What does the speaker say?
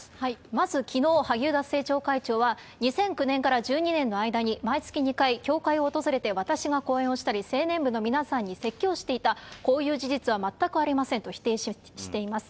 まずきのう、萩生田政調会長は２００９年から１２年の間に、毎月２回、教会を訪れて、私が講演をしたり青年部の皆さんに説教をしていた、こういう事実は全くありませんと否定しています。